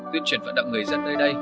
tuyên truyền vận động người dân nơi đây